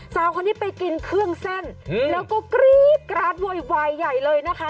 สาวคนนี้ไปกินเครื่องเส้นแล้วก็กรี๊ดกราดโวยวายใหญ่เลยนะคะ